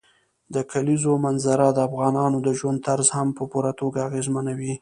د کلیزو منظره د افغانانو د ژوند طرز هم په پوره توګه اغېزمنوي.